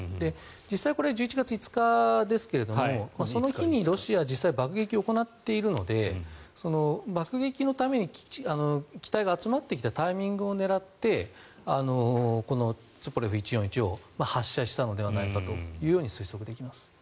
実際、１１月５日ですがこの日にロシアが実際、爆撃を行っているので爆撃のために機体が集まってきたタイミングを狙ってこのＴｕ−１４１を発射したのではないかと推測できます。